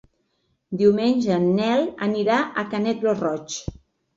Diumenge en Nel anirà a Canet lo Roig.